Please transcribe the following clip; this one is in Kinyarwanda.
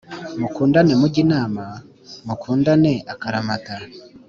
mukundane mujye inama mukundane akaramata